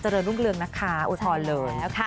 เจริญลุ่งเรืองนะคะอุทธรณ์เลย